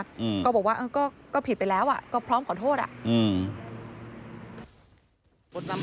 อืมก็บอกว่าเออก็ก็ผิดไปแล้วอ่ะก็พร้อมขอโทษอ่ะอืม